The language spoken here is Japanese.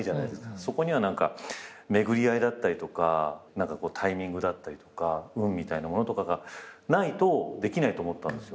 そこには何か巡り合いだったりとかタイミングだったりとか運みたいなものとかがないとできないと思ったんですよ。